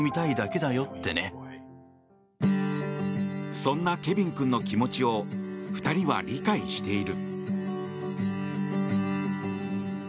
そんなケビン君の気持ちを２人は理解している。